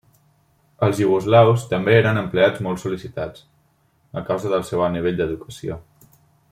Els iugoslaus també eren empleats molt sol·licitats, a causa del seu alt nivell d'educació.